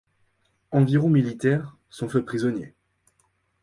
Environ militaires sont faits prisonniers.